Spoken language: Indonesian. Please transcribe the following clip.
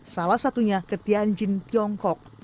salah satunya ke tianjin tiongkok